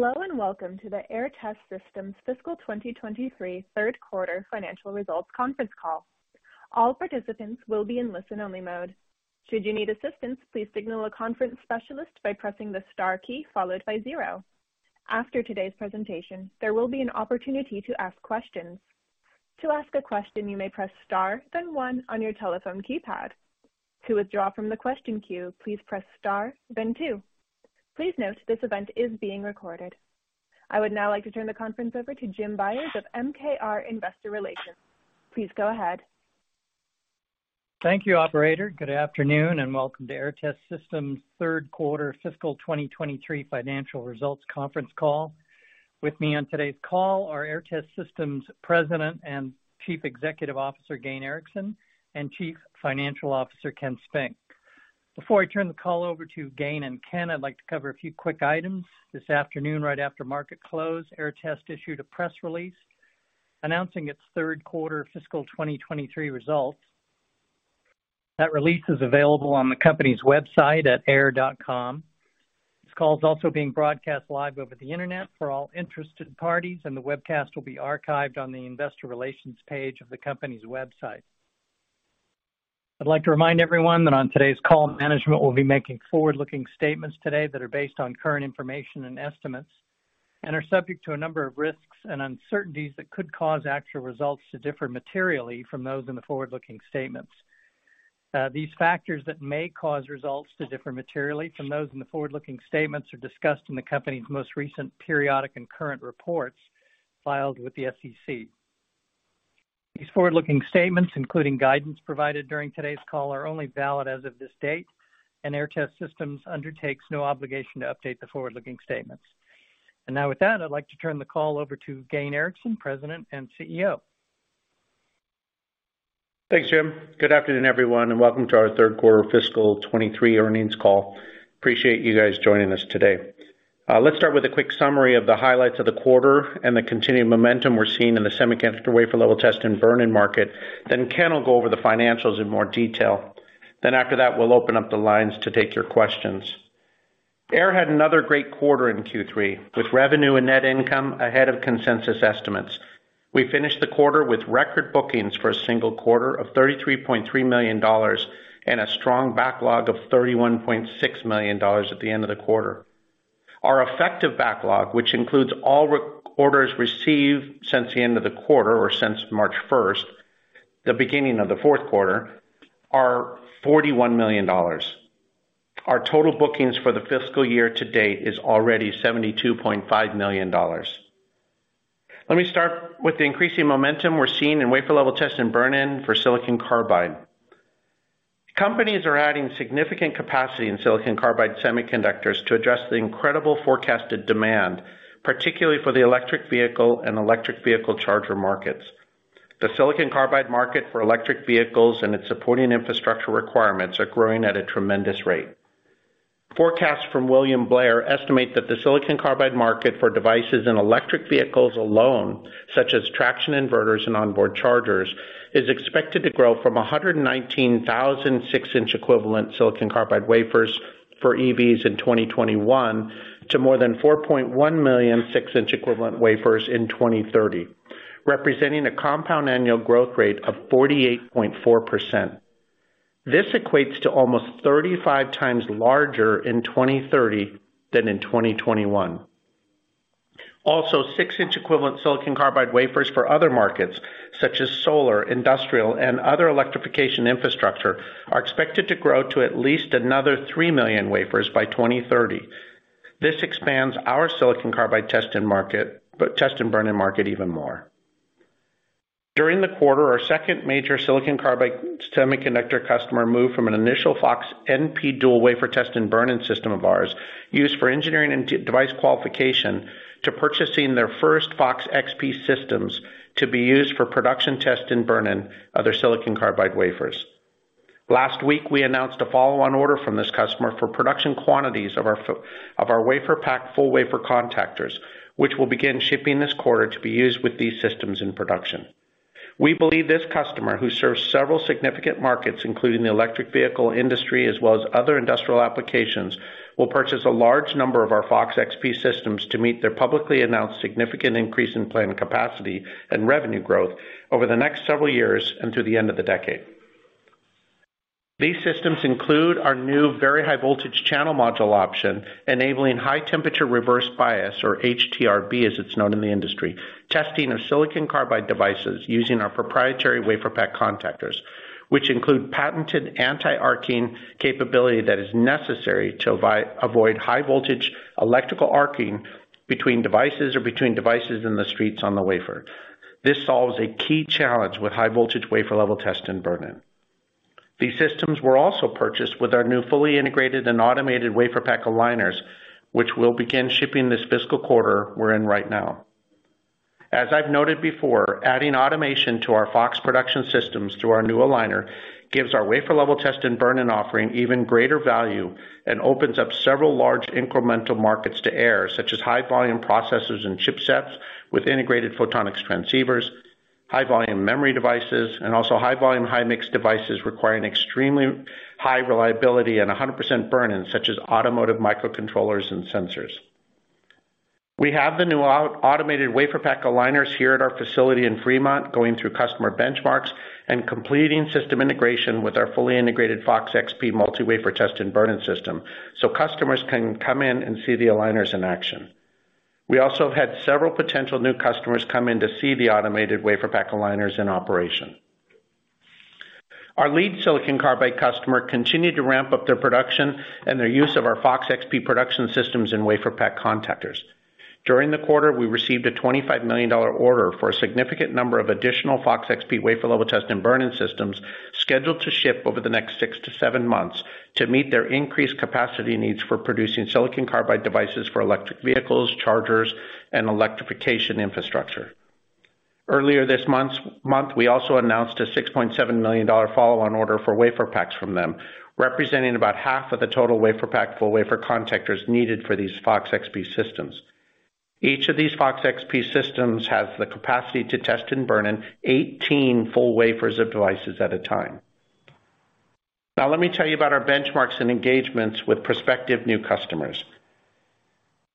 Hello, welcome to the Aehr Test Systems Fiscal 2023 Third Quarter Financial Results Conference Call. All participants will be in listen-only mode. Should you need assistance, please signal a conference specialist by pressing the star key followed by zero. After today's presentation, there will be an opportunity to ask questions. To ask a question, you may press star then one on your telephone keypad. To withdraw from the question queue, please press star then two. Please note this event is being recorded. I would now like to turn the conference over to Jim Byers of MKR Investor Relations. Please go ahead. Thank you, Operator. Good afternoon, and welcome to Aehr Test Systems Third Quarter Fiscal 2023 Financial Results Conference Call. With me on today's call are Aehr Test Systems President and Chief Executive Officer, Gayn Erickson, and Chief Financial Officer, Ken Spink. Before I turn the call over to Gayn and Ken, I'd like to cover a few quick items. This afternoon, right after market close, Aehr Test issued a press release announcing its third quarter fiscal 2023 results. That release is available on the company's website at aehr.com. This call is also being broadcast live over the Internet for all interested parties. The webcast will be archived on the investor relations page of the company's website. I'd like to remind everyone that on today's call, management will be making forward-looking statements today that are based on current information and estimates and are subject to a number of risks and uncertainties that could cause actual results to differ materially from those in the forward-looking statements. These factors that may cause results to differ materially from those in the forward-looking statements are discussed in the company's most recent periodic and current reports filed with the SEC. These forward-looking statements, including guidance provided during today's call, are only valid as of this date, and Aehr Test Systems undertakes no obligation to update the forward-looking statements. With that, I'd like to turn the call over to Gayn Erickson, President and CEO. Thanks, Jim. Good afternoon, everyone, and welcome to our Third Quarter Fiscal 2023 Earnings Call. Appreciate you guys joining us today. Let's start with a quick summary of the highlights of the quarter and the continuing momentum we're seeing in the semiconductor wafer-level test and burn-in market. Ken will go over the financials in more detail. After that, we'll open up the lines to take your questions. Aehr had another great quarter in Q3, with revenue and net income ahead of consensus estimates. We finished the quarter with record bookings for a single quarter of $33.3 million and a strong backlog of $31.6 million at the end of the quarter. Our effective backlog, which includes all reorders received since the end of the quarter or since March 1st, the beginning of the fourth quarter, are $41 million. Our total bookings for the fiscal year to date is already $72.5 million. Let me start with the increasing momentum we're seeing in wafer-level test and burn-in for silicon carbide. Companies are adding significant capacity in silicon carbide semiconductors to address the incredible forecasted demand, particularly for the electric vehicle and electric vehicle charger markets. The silicon carbide market for electric vehicles and its supporting infrastructure requirements are growing at a tremendous rate. Forecasts from William Blair estimate that the silicon carbide market for devices and electric vehicles alone, such as traction inverters and onboard chargers, is expected to grow from 119,000 six-inch equivalent silicon carbide wafers for EVs in 2021 to more than 4.1 million six-inch equivalent wafers in 2030, representing a compound annual growth rate of 48.4%. This equates to almost 35x larger in 2030 than in 2021. Also, six-inch equivalent silicon carbide wafers for other markets such as solar, industrial, and other electrification infrastructure, are expected to grow to at least another 3 million wafers by 2030. This expands our silicon carbide test and market, but test and burn-in market even more. During the quarter, our second major silicon carbide semiconductor customer moved from an initial FOX-NP dual wafer test and burn-in system of ours, used for engineering and de-device qualification, to purchasing their first FOX-XP systems to be used for production test and burn-in other silicon carbide wafers. Last week, we announced a follow-on order from this customer for production quantities of our of our WaferPak full wafer contactors, which will begin shipping this quarter to be used with these systems in production. We believe this customer, who serves several significant markets, including the electric vehicle industry as well as other industrial applications, will purchase a large number of our FOX-XP systems to meet their publicly announced significant increase in planned capacity and revenue growth over the next several years and through the end of the decade. These systems include our new Very High Voltage Channel Module option, enabling High Temperature Reverse Bias, or HTRB, as it's known in the industry. Testing of silicon carbide devices using our proprietary WaferPak contactors, which include patented anti-arcing capability that is necessary to avoid high voltage electrical arcing between devices or between devices in the streets on the wafer. This solves a key challenge with high voltage wafer level test and burn-in. These systems were also purchased with our new fully integrated and automated WaferPak Aligners, which will begin shipping this fiscal quarter we're in right now. As I've noted before, adding automation to our FOX production systems through our new aligner gives our wafer-level test and burn-in offering even greater value and opens up several large incremental markets to Aehr, such as high volume processors and chipsets with integrated photonics transceivers. High volume memory devices and also high volume, high mixed devices requiring extremely high reliability and 100% burn-in, such as automotive microcontrollers and sensors. We have the new automated WaferPak Aligners here at our facility in Fremont, going through customer benchmarks, and completing system integration with our fully integrated FOX-XP multi-wafer test and burn-in system, so customers can come in and see the aligners in action. We also had several potential new customers come in to see the automated WaferPak Aligners in operation. Our lead silicon carbide customer continued to ramp up their production and their use of our FOX-XP production systems in WaferPak contactors. During the quarter, we received a $25 million order for a significant number of additional FOX-XP wafer-level test and burn-in systems, scheduled to ship over the next six-seven months to meet their increased capacity needs for producing silicon carbide devices for electric vehicles, chargers, and electrification infrastructure. Earlier this month, we also announced a $6.7 million follow-on order for WaferPaks from them, representing about half of the total WaferPak full wafer contactors needed for these FOX-XP systems. Each of these FOX-XP systems have the capacity to test and burn-in 18 full wafers of devices at a time. Now, let me tell you about our benchmarks and engagements with prospective new customers.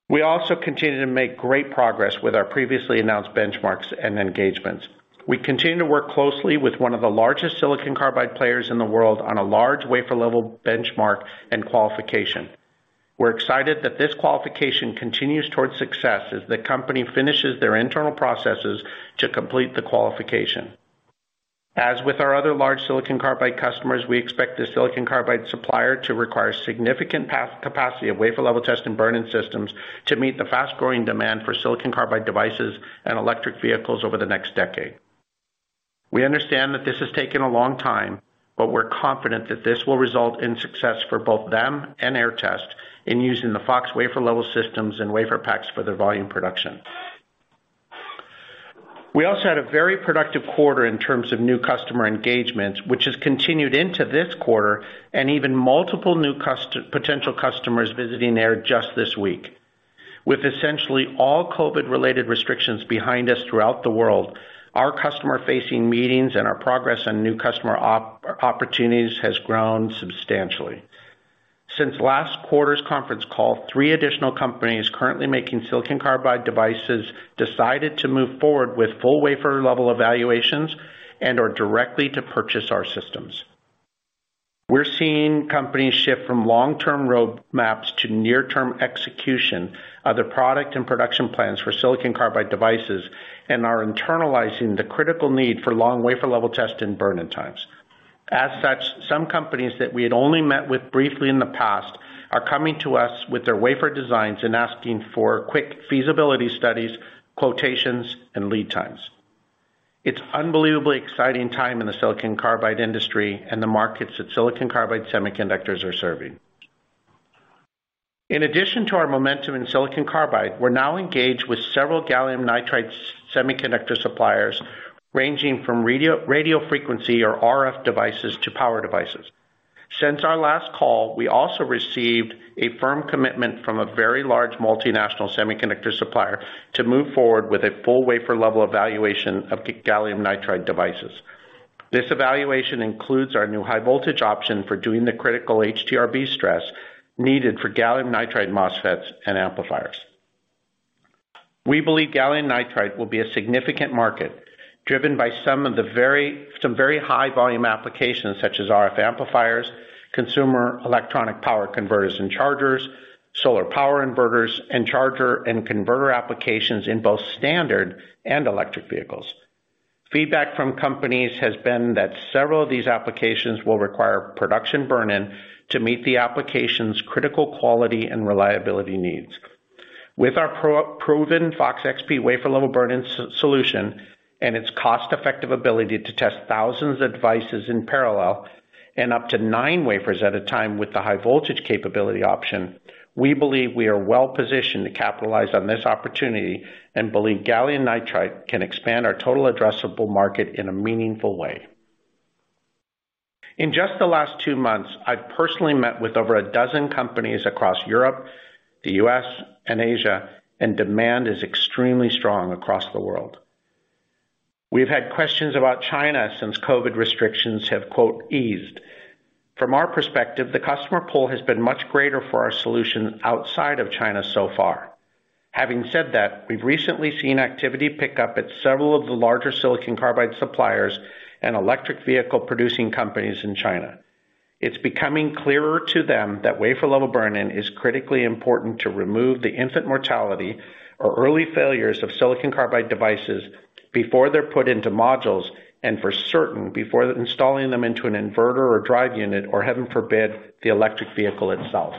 We also continue to make great progress with our previously announced benchmarks and engagements. We continue to work closely with one of the largest silicon carbide players in the world on a large wafer level benchmark and qualification. We're excited that this qualification continues towards success as the company finishes their internal processes to complete the qualification. As with our other large silicon carbide customers, we expect the silicon carbide supplier to require significant capacity of wafer level test and burn-in systems to meet the fast-growing demand for silicon carbide devices and electric vehicles over the next decade. We understand that this has taken a long time, but we're confident that this will result in success for both them and Aehr Test in using the FOX wafer level systems and WaferPaks for their volume production. We also had a very productive quarter in terms of new customer engagements, which has continued into this quarter, and even multiple new potential customers visiting Aehr just this week. With essentially all COVID-related restrictions behind us throughout the world, our customer-facing meetings and our progress on new customer opportunities has grown substantially. Since last quarter's conference call, three additional companies currently making silicon carbide devices decided to move forward with full wafer level evaluations and/or directly to purchase our systems. We're seeing companies shift from long-term roadmaps to near-term execution of their product and production plans for silicon carbide devices, and are internalizing the critical need for long wafer level test and burn-in times. As such, some companies that we had only met with briefly in the past are coming to us with their wafer designs and asking for quick feasibility studies, quotations, and lead times. It's unbelievably exciting time in the silicon carbide industry, and the markets that silicon carbide semiconductors are serving. In addition to our momentum in silicon carbide, we're now engaged with several gallium nitride semiconductor suppliers, ranging from radio frequency or RF devices to power devices. Since our last call, we also received a firm commitment from a very large multinational semiconductor supplier to move forward with a full wafer level evaluation of gallium nitride devices. This evaluation includes our new high voltage option for doing the critical HTRB stress needed for gallium nitride MOSFETs and Amplifiers. We believe gallium nitride will be a significant market, driven by some of the very high volume applications such as RF amplifiers, consumer electronic power converters and chargers, solar power inverters, and charger and converter applications in both standard and electric vehicles. Feedback from companies has been that several of these applications will require production burn-in to meet the application's critical quality and reliability needs. With our pro-proven FOX-XP wafer level burn-in solution, and its cost-effective ability to test thousands of devices in parallel, and up to nine wafers at a time with the high voltage capability option, we believe we are well-positioned to capitalize on this opportunity, and believe gallium nitride can expand our total addressable market in a meaningful way. In just the last two months, I've personally met with over 12 companies across Europe, the U.S., and Asia, and demand is extremely strong across the world. We've had questions about China since COVID restrictions have, quote, "Eased." From our perspective, the customer pool has been much greater for our solution outside of China so far. Having said that, we've recently seen activity pick up at several of the larger silicon carbide suppliers and electric vehicle-producing companies in China. It's becoming clearer to them that wafer-level burn-in is critically important to remove the infant mortality or early failures of silicon carbide devices before they're put into modules, and for certain, before installing them into an inverter or drive unit, or heaven forbid, the electric vehicle itself.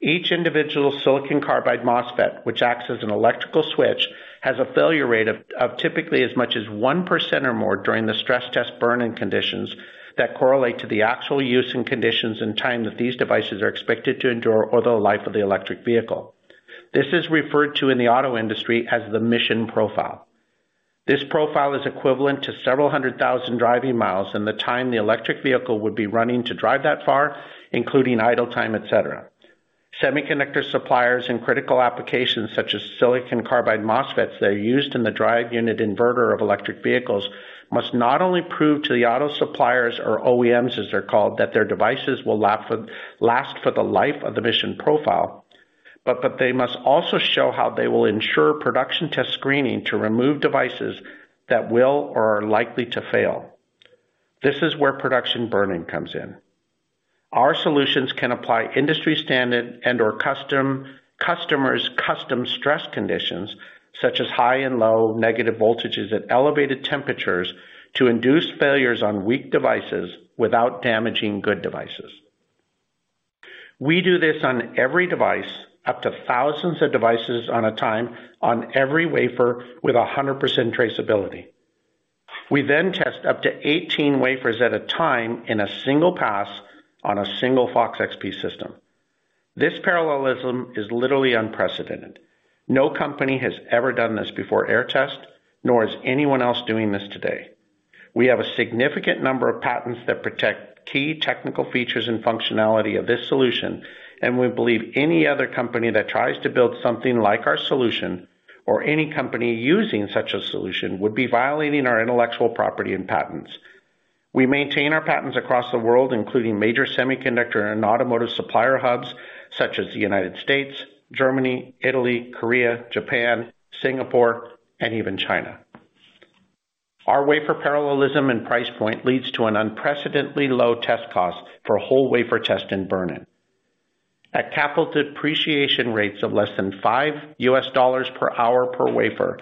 Each individual silicon carbide MOSFET, which acts as an electrical switch, has a failure rate of typically as much as 1% or more during the stress test burn-in conditions that correlate to the actual use and conditions and time that these devices are expected to endure, or the life of the electric vehicle. This is referred to in the auto industry as the mission profile. This profile is equivalent to several hundred thousand driving miles in the time the electric vehicle would be running to drive that far, including idle time, et cetera. Semiconductor suppliers in critical applications such as silicon carbide MOSFETs that are used in the drive unit inverter of electric vehicles must not only prove to the auto suppliers or OEMs, as they're called, that their devices will last for the life of the mission profile, but they must also show how they will ensure production test screening to remove devices that will or are likely to fail. This is where production burn-in comes in. Our solutions can apply industry standard and/or customers' custom stress conditions, such as high and low negative voltages at elevated temperatures, to induce failures on weak devices without damaging good devices. We do this on every device, up to thousands of devices on a time, on every wafer, with 100% traceability. We then test up to 18 wafers at a time in a single pass on a single FOX-XP system. This parallelism is literally unprecedented. No company has ever done this before Aehr Test, nor is anyone else doing this today. We have a significant number of patents that protect key technical features and functionality of this solution, and we believe any other company that tries to build something like our solution or any company using such a solution would be violating our intellectual property and patents. We maintain our patents across the world, including major semiconductor and automotive supplier hubs such as the United States, Germany, Italy, Korea, Japan, Singapore, and even China. Our wafer parallelism and price point leads to an unprecedentedly low test cost for whole wafer test and burn-in. At capital depreciation rates of less than $5 per hour per wafer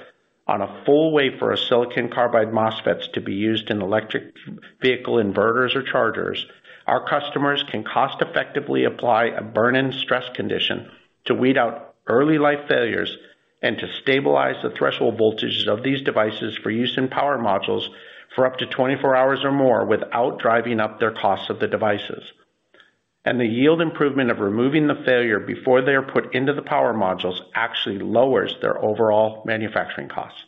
on a full wafer of silicon carbide MOSFETs to be used in electric vehicle inverters or chargers, our customers can cost-effectively apply a burn-in stress condition to weed out early life failures and to stabilize the threshold voltages of these devices for use in power modules for up to 24 hours or more without driving up their costs of the devices. The yield improvement of removing the failure before they are put into the power modules actually lowers their overall manufacturing costs.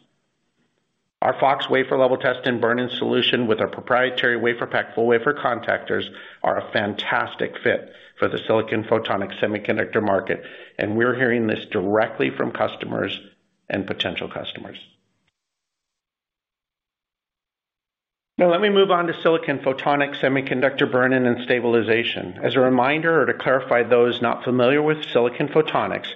Our FOX wafer-level test and burn-in solution with our proprietary WaferPak full wafer contactors are a fantastic fit for the silicon photonics semiconductor market, and we're hearing this directly from customers and potential customers. Now let me move on to silicon photonic semiconductor burn-in and stabilization. As a reminder, or to clarify those not familiar with silicon photonics,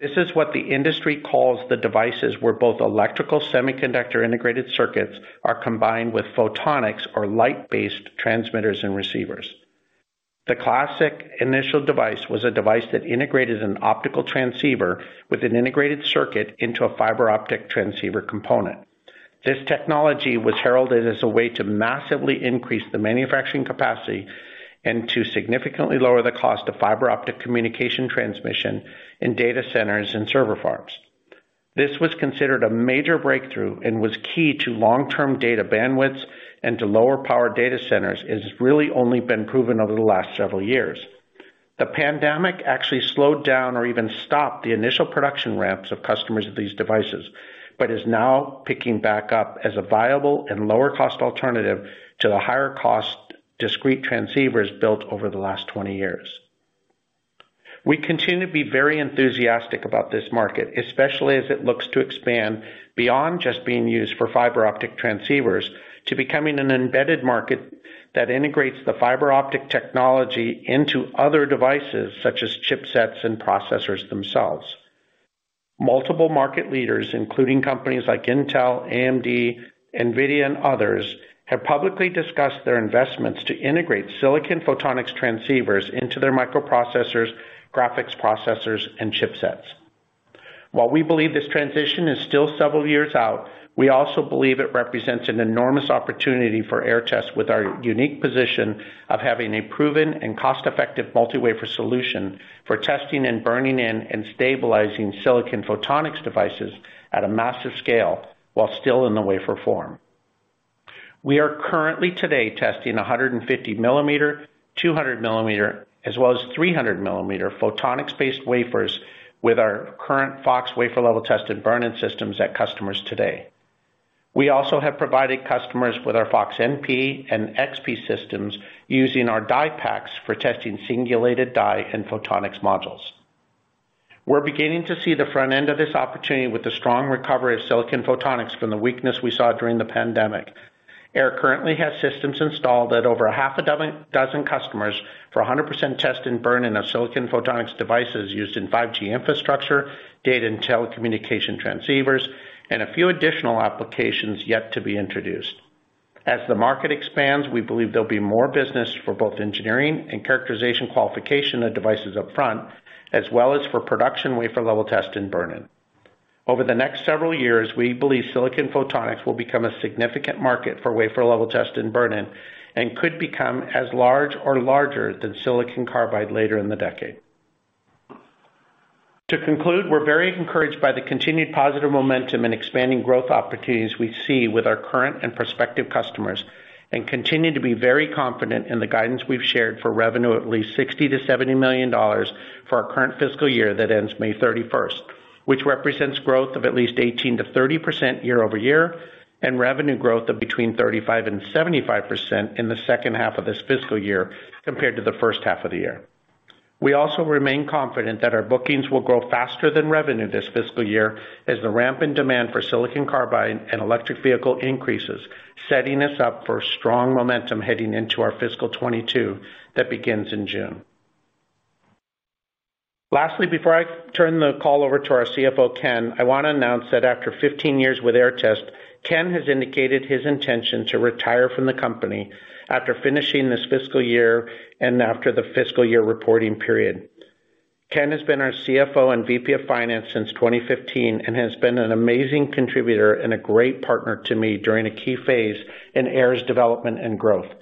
this is what the industry calls the devices where both electrical semiconductor integrated circuits are combined with photonics or light-based transmitters and receivers. The classic initial device was a device that integrated an optical transceiver with an integrated circuit into a fiber optic transceiver component. This technology was heralded as a way to massively increase the manufacturing capacity and to significantly lower the cost of fiber optic communication transmission in data centers and server farms. This was considered a major breakthrough and was key to long-term data bandwidths and to lower power data centers, and has really only been proven over the last several years. The pandemic actually slowed down or even stopped the initial production ramps of customers of these devices, but is now picking back up as a viable and lower cost alternative to the higher cost discrete transceivers built over the last 20 years. We continue to be very enthusiastic about this market, especially as it looks to expand beyond just being used for fiber optic transceivers to becoming an embedded market that integrates the fiber optic technology into other devices, such as chipsets and processors themselves. Multiple market leaders, including companies like Intel, AMD, NVIDIA, and others, have publicly discussed their investments to integrate silicon photonics transceivers into their microprocessors, graphics processors, and chipsets. While we believe this transition is still several years out, we also believe it represents an enormous opportunity for Aehr Test with our unique position of having a proven and cost-effective multi-wafer solution for testing and burning-in and stabilizing silicon photonics devices at a massive scale while still in the wafer form. We are currently today testing 150-mm, 200-mm, as well as 300-mm photonics-based wafers with our current FOX wafer-level test and burn-in systems at customers today. We also have provided customers with our FOX-NP and XP systems using our DiePaks for testing singulated die and photonics modules. We're beginning to see the front end of this opportunity with the strong recovery of silicon photonics from the weakness we saw during the pandemic. Aehr currently has systems installed at over a half a dozen customers for 100% test and burn-in of silicon photonics devices used in 5G infrastructure, data and telecommunication transceivers, and a few additional applications yet to be introduced. As the market expands, we believe there'll be more business for both engineering and characterization qualification of devices upfront, as well as for production wafer-level test and burn-in. Over the next several years, we believe silicon photonics will become a significant market for wafer-level test and burn-in, and could become as large or larger than silicon carbide later in the decade.2 To conclude, we're very encouraged by the continued positive momentum and expanding growth opportunities we see with our current and prospective customers, and continue to be very confident in the guidance we've shared for revenue at least $60 million-$70 million for our current fiscal year that ends May 31st. Which represents growth of at least 18%-30% year-over-year, and revenue growth of between 35% and 75% in the second half of this fiscal year compared to the first half of the year. We also remain confident that our bookings will grow faster than revenue this fiscal year as the ramp in demand for silicon carbide and electric vehicle increases, setting us up for strong momentum heading into our fiscal 2024 that begins in June. Lastly, before I turn the call over to our CFO, Ken, I want to announce that after 15 years with Aehr Test, Ken has indicated his intention to retire from the company after finishing this fiscal year and after the fiscal year reporting period. Ken has been our CFO and VP of Finance since 2015, and has been an amazing contributor and a great partner to me during a key phase in Aehr's development and growth.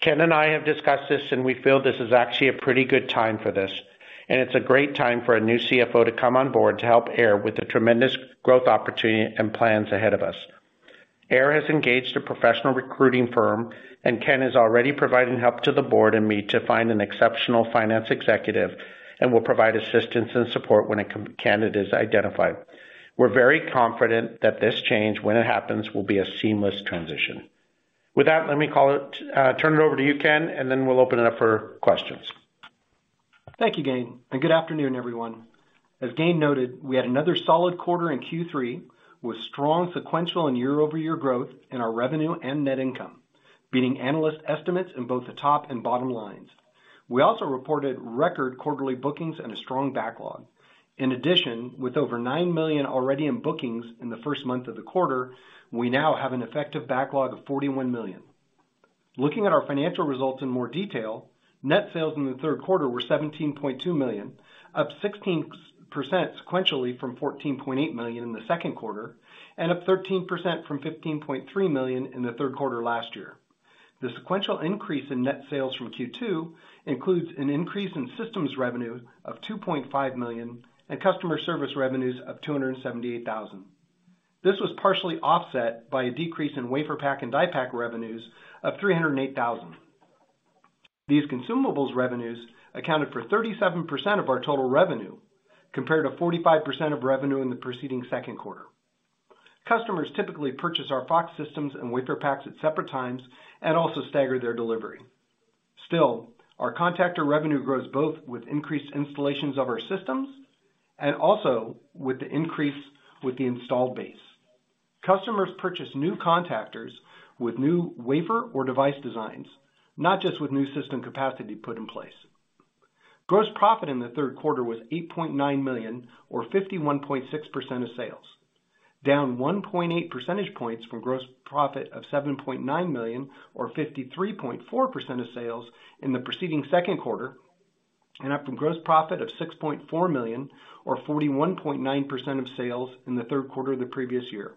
Ken and I have discussed this, and we feel this is actually a pretty good time for this, and it's a great time for a new CFO to come on board to help Aehr with the tremendous growth opportunity and plans ahead of us. Aehr has engaged a professional recruiting firm, Ken is already providing help to the board and me to find an exceptional finance executive, will provide assistance and support when a candidate is identified. We're very confident that this change, when it happens, will be a seamless transition. With that, let me turn it over to you, Ken. Then we'll open it up for questions. Thank you, Gayn. Good afternoon, everyone. As Gayn noted, we had another solid quarter in Q3, with strong sequential and year-over-year growth in our revenue and net income, beating analyst estimates in both the top and bottom lines. We also reported record quarterly bookings and a strong backlog. In addition, with over $9 million already in bookings in the first month of the quarter, we now have an effective backlog of $41 million. Looking at our financial results in more detail, net sales in the third quarter were $17.2 million, up 16% sequentially from $14.8 million in the second quarter, and up 13% from $15.3 million in the third quarter last year. The sequential increase in net sales from Q2 includes an increase in systems revenue of $2.5 million and customer service revenues of $278,000. This was partially offset by a decrease in WaferPak and DiePak revenues of $308,000. These consumables revenues accounted for 37% of our total revenue, compared to 45% of revenue in the preceding second quarter. Customers typically purchase our FOX systems and WaferPaks at separate times and also stagger their delivery. Still, our contactor revenue grows both with increased installations of our systems and also with the installed base. Customers purchase new contactors with new wafer or device designs, not just with new system capacity put in place. Gross profit in the third quarter was $8.9 million or 51.6% of sales, down 1.8 percentage points from gross profit of $7.9 million or 53.4% of sales in the preceding second quarter, up from gross profit of $6.4 million or 41.9% of sales in the third quarter of the previous year.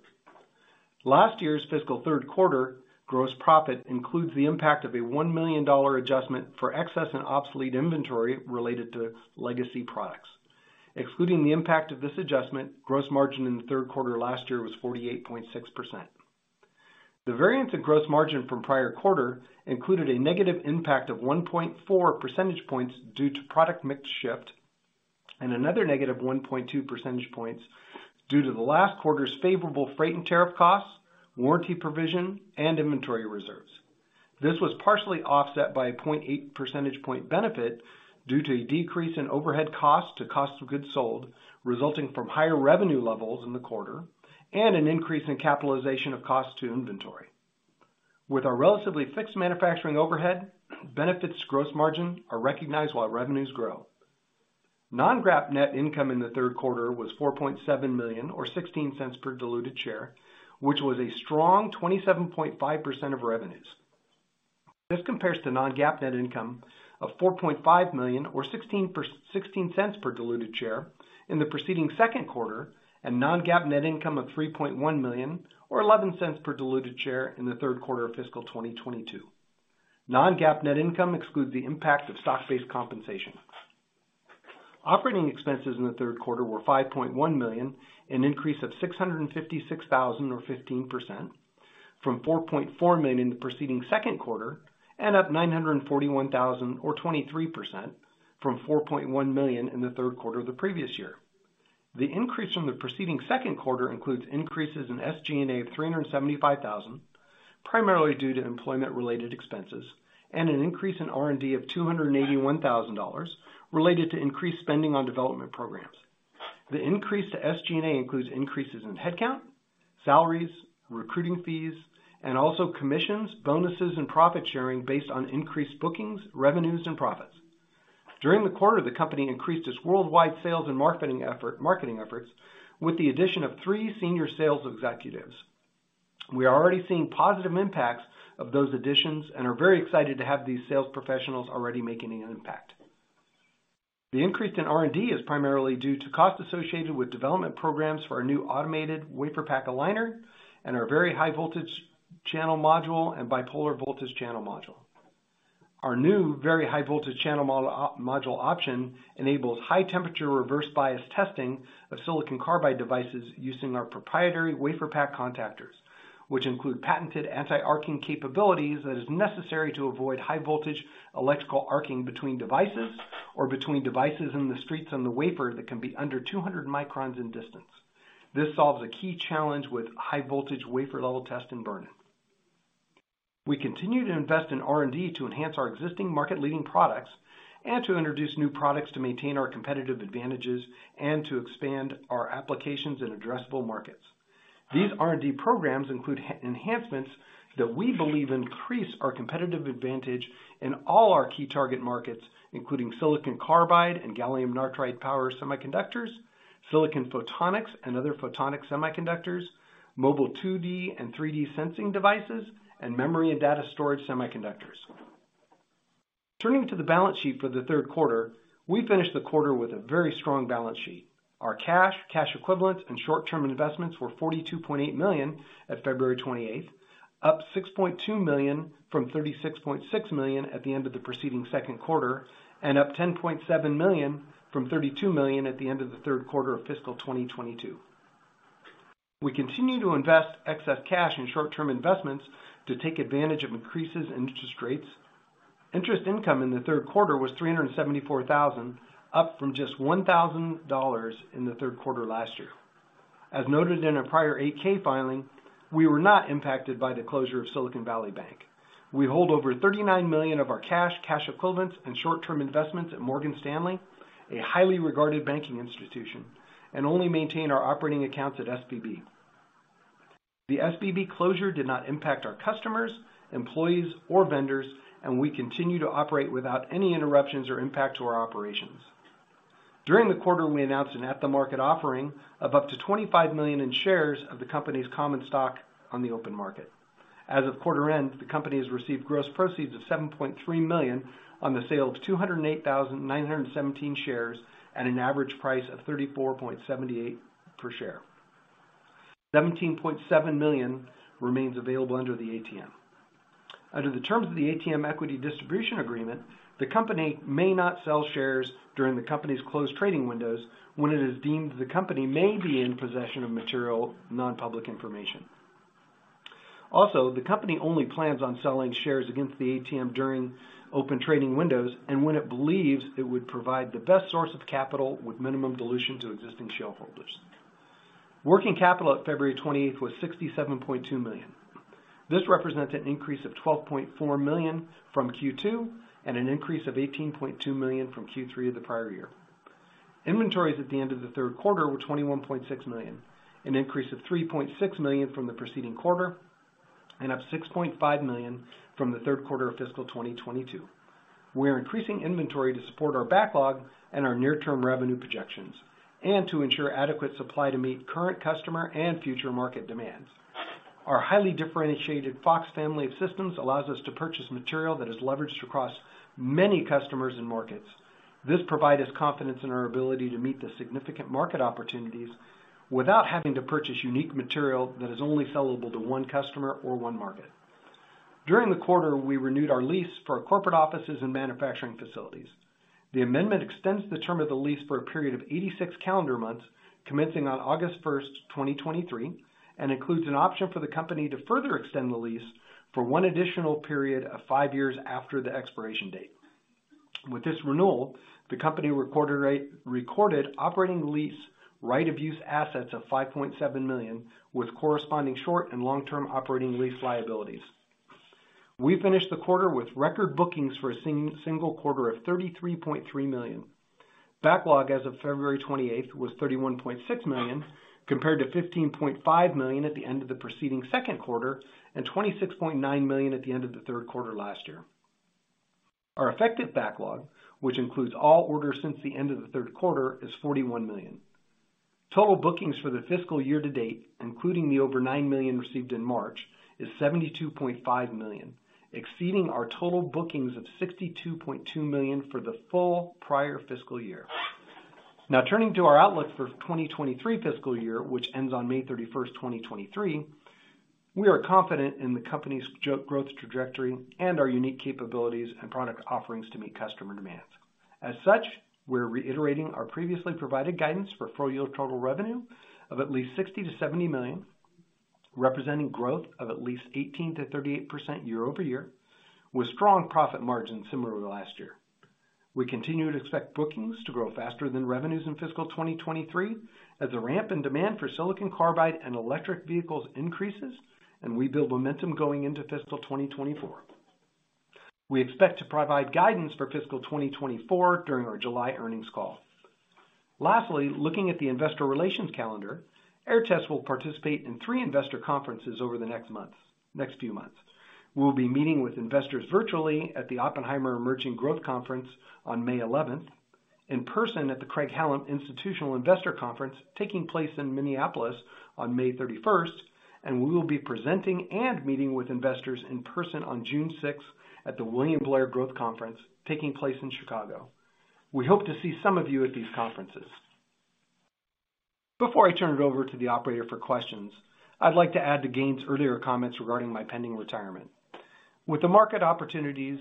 Last year's fiscal third quarter gross profit includes the impact of a $1 million adjustment for excess in obsolete inventory related to legacy products. Excluding the impact of this adjustment, gross margin in the third quarter last year was 48.6%. The variance in gross margin from prior quarter included a negative impact of 1.4 percentage points due to product mix shift, and another -1.2 percentage points due to the last quarter's favorable freight and tariff costs, warranty provision, and inventory reserves. This was partially offset by a 0.8 percentage point benefit due to a decrease in overhead costs to cost of goods sold, resulting from higher revenue levels in the quarter and an increase in capitalization of costs to inventory. With our relatively fixed manufacturing overhead, benefits gross margin are recognized while revenues grow. Non-GAAP net income in the third quarter was $4.7 million or $0.16 per diluted share, which was a strong 27.5% of revenues. This compares to non-GAAP net income of $4.5 million or $0.16 per diluted share in the preceding second quarter, and non-GAAP net income of $3.1 million or $0.11 per diluted share in the third quarter of fiscal 2022. Non-GAAP net income excludes the impact of stock-based compensation. Operating expenses in the third quarter were $5.1 million, an increase of $656,000 or 15%, from $4.4 million in the preceding second quarter, and up $941,000 or 23% from $4.1 million in the third quarter of the previous year. The increase from the preceding second quarter includes increases in SG&A of $375,000, primarily due to employment-related expenses, and an increase in R&D of $281,000 related to increased spending on development programs. The increase to SG&A includes increases in headcount, salaries, recruiting fees, and also commissions, bonuses, and profit sharing based on increased bookings, revenues, and profits. During the quarter, the company increased its worldwide sales and marketing efforts with the addition of three senior sales executives. We are already seeing positive impacts of those additions and are very excited to have these sales professionals already making an impact. The increase in R&D is primarily due to costs associated with development programs for our new automated WaferPak aligner and our Very High Voltage Channel Module and Bipolar Voltage Channel Module. Our new Very High Voltage Channel Module option enables High Temperature Reverse Bias testing of silicon carbide devices using our proprietary WaferPak contactors, which include patented anti-arcing capabilities that is necessary to avoid high voltage electrical arcing between devices or between devices in the streets on the wafer that can be under 200 microns in distance. This solves a key challenge with high voltage wafer level test and burn-in. We continue to invest in R&D to enhance our existing market leading products, and to introduce new products to maintain our competitive advantages and to expand our applications in addressable markets. These R&D programs include enhancements that we believe increase our competitive advantage in all our key target markets, including silicon carbide and gallium nitride power semiconductors, silicon photonics and other photonic semiconductors, mobile 2D and 3D sensing devices, and memory and data storage semiconductors. Turning to the balance sheet for the third quarter. We finished the quarter with a very strong balance sheet. Our cash equivalents, and short-term investments were $42.8 million at February 28th, up $6.2 million from $36.6 million at the end of the preceding second quarter, and up $10.7 million from $32 million at the end of the third quarter of fiscal 2022. We continue to invest excess cash in short-term investments to take advantage of increases in interest rates. Interest income in the third quarter was $374,000, up from just $1,000 in the third quarter last year. As noted in a prior 8-K filing, we were not impacted by the closure of Silicon Valley Bank. We hold over $39 million of our cash equivalents, and short-term investments at Morgan Stanley, a highly regarded banking institution, and only maintain our operating accounts at SVB. The SVB closure did not impact our customers, employees, or vendors, and we continue to operate without any interruptions or impact to our operations. During the quarter, we announced an at-the-market offering of up to $25 million in shares of the company's common stock on the open market. As of quarter end, the company has received gross proceeds of $7.3 million on the sale of 208,917 shares at an average price of $34.78 per share. $17.7 million remains available under the ATM. Under the terms of the ATM equity distribution agreement, the company may not sell shares during the company's closed trading windows when it is deemed the company may be in possession of material non-public information. The company only plans on selling shares against the ATM during open trading windows and when it believes it would provide the best source of capital with minimum dilution to existing shareholders. Working capital at February 28th was $67.2 million. This represents an increase of $12.4 million from Q2, and an increase of $18.2 million from Q3 of the prior year. Inventories at the end of the third quarter were $21.6 million, an increase of $3.6 million from the preceding quarter, and up $6.5 million from the third quarter of fiscal 2022. We are increasing inventory to support our backlog and our near-term revenue projections, and to ensure adequate supply to meet current customer and future market demands. Our highly differentiated FOX family of systems allows us to purchase material that is leveraged across many customers and markets. This provide us confidence in our ability to meet the significant market opportunities without having to purchase unique material that is only sellable to one customer or one market. During the quarter, we renewed our lease for our corporate offices and manufacturing facilities. The amendment extends the term of the lease for a period of 86 calendar months, commencing on August 1st, 2023, and includes an option for the company to further extend the lease for one additional period of five years after the expiration date. With this renewal, the company recorded re-recorded operating lease right of use assets of $5.7 million, with corresponding short and long-term operating lease liabilities. We finished the quarter with record bookings for a single quarter of $33.3 million. Backlog as of February 28th was $31.6 million, compared to $15.5 million at the end of the preceding second quarter, and $26.9 million at the end of the third quarter last year. Our effective backlog, which includes all orders since the end of the third quarter, is $41 million. Total bookings for the fiscal year to date, including the over $9 million received in March, is $72.5 million, exceeding our total bookings of $62.2 million for the full prior fiscal year. Turning to our outlook for 2023 fiscal year, which ends on May 31st, 2023. We are confident in the company's growth trajectory and our unique capabilities and product offerings to meet customer demands. As such, we're reiterating our previously provided guidance for full year total revenue of at least $60 million-$70 million, representing growth of at least 18%-38% year-over-year, with strong profit margins similar to last year. We continue to expect bookings to grow faster than revenues in fiscal 2023 as the ramp in demand for silicon carbide and electric vehicles increases, and we build momentum going into fiscal 2024. We expect to provide guidance for fiscal 2024 during our July earnings call. Lastly, looking at the investor relations calendar, Aehr Test will participate in three investor conferences over the next few months. We'll be meeting with investors virtually at the Oppenheimer Emerging Growth Conference on May eleventh, in person at the Craig-Hallum Institutional Investor Conference, taking place in Minneapolis on May 31st. We will be presenting and meeting with investors in person on June sixth at the William Blair Growth Conference, taking place in Chicago. We hope to see some of you at these conferences. Before I turn it over to the operator for questions, I'd like to add to Gayn's earlier comments regarding my pending retirement. With the market opportunities,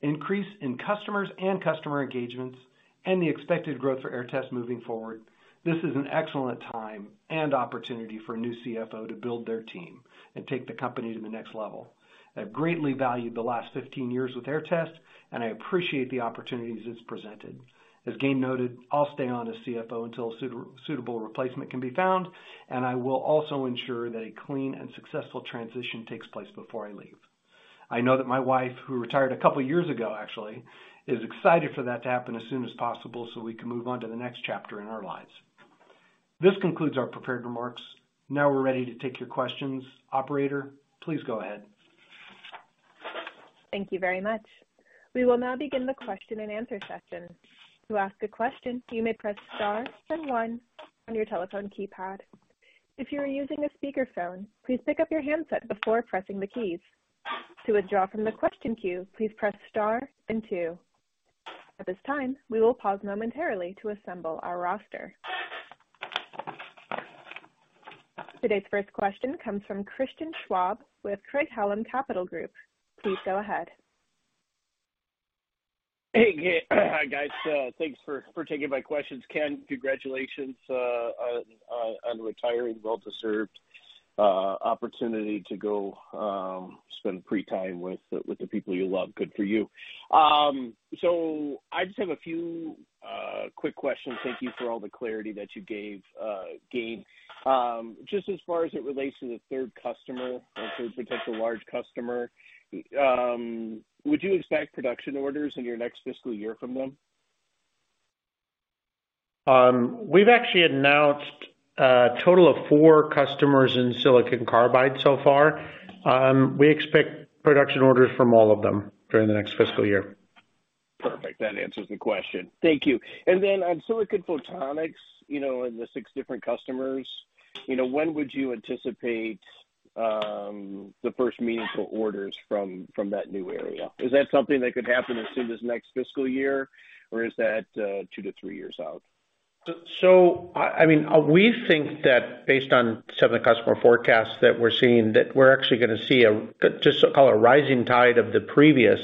increase in customers and customer engagements, and the expected growth for Aehr Test moving forward, this is an excellent time and opportunity for a new CFO to build their team and take the company to the next level. I've greatly valued the last 15 years with Aehr Test, and I appreciate the opportunities it's presented. As Gayn noted, I'll stay on as CFO until a suitable replacement can be found, and I will also ensure that a clean and successful transition takes place before I leave. I know that my wife, who retired a couple years ago, actually, is excited for that to happen as soon as possible so we can move on to the next chapter in our lives. This concludes our prepared remarks. We're ready to take your questions. Operator, please go ahead. Thank you very much. We will now begin the question and answer session. To ask a question, you may press star then one on your telephone keypad. If you are using a speakerphone, please pick up your handset before pressing the keys. To withdraw from the question queue, please press star and two. At this time, we will pause momentarily to assemble our roster. Today's first question comes from Christian Schwab with Craig-Hallum Capital Group. Please go ahead. Hey. Hi, guys. Thanks for taking my questions. Ken, congratulations on retiring. Well deserved opportunity to go spend free time with the people you love. Good for you. I just have a few quick questions. Thank you for all the clarity that you gave. Just as far as it relates to the third customer, in terms of potential large customer, would you expect production orders in your next fiscal year from them? We've actually announced a total of four customers in silicon carbide so far. We expect production orders from all of them during the next fiscal year. Perfect. That answers the question. Thank you. On silicon photonics, you know, and the six different customers, you know, when would you anticipate the first meaningful orders from that new area? Is that something that could happen as soon as next fiscal year, or is that two to three years out? I mean, we think that based on some of the customer forecasts that we're seeing, that we're actually gonna see a, just so-called a rising tide of the previous,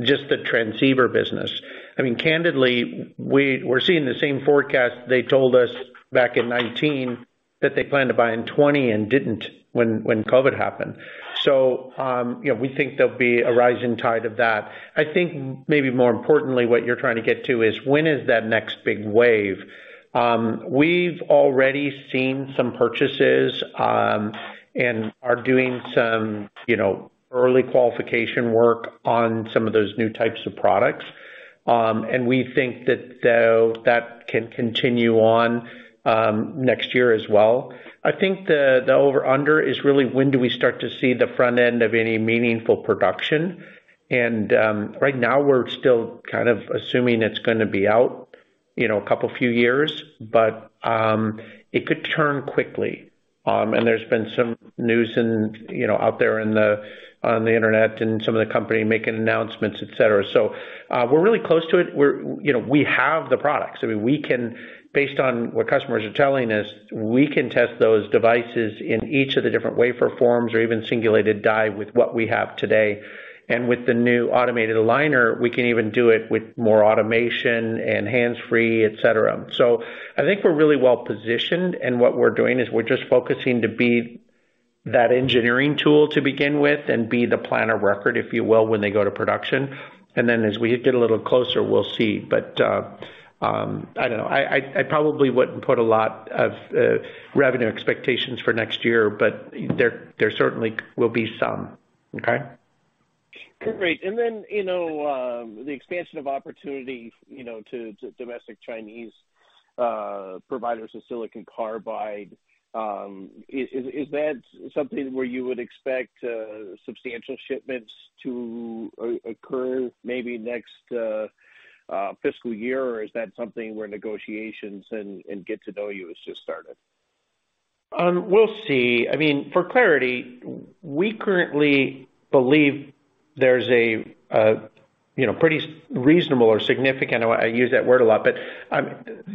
just the transceiver business. I mean, candidly, we're seeing the same forecast they told us back in 2019 that they planned to buy in 2020 and didn't when COVID happened. You know, we think there'll be a rising tide of that. I think maybe more importantly, what you're trying to get to is when is that next big wave? We've already seen some purchases, and are doing some, you know, early qualification work on some of those new types of products. And we think that though, that can continue on, next year as well. I think the over/under is really when do we start to see the front end of any meaningful production? Right now we're still kind of assuming it's gonna be out, you know, a couple of few years. It could turn quickly. There's been some news and, you know, out there on the Internet and some of the company making announcements, et cetera. We're really close to it. You know, we have the products. I mean, we can, based on what customers are telling us, we can test those devices in each of the different wafer forms or even singulated die with what we have today. With the new automated aligner, we can even do it with more automation and hands-free, et cetera. I think we're really well-positioned, and what we're doing is we're just focusing to be that engineering tool to begin with and be the plan of record, if you will, when they go to production. As we get a little closer, we'll see. I don't know. I probably wouldn't put a lot of revenue expectations for next year, but there certainly will be some. Okay? Great. you know, the expansion of opportunity, you know, to domestic Chinese providers of silicon carbide, is that something where you would expect substantial shipments to occur maybe next fiscal year? Is that something where negotiations and get to know you has just started? We'll see. I mean, for clarity, we currently believe there's a, you know, pretty reasonable or significant... I use that word a lot, but